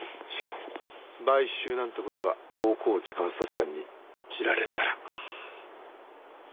買収なんて事が大河内監察官に知られたら。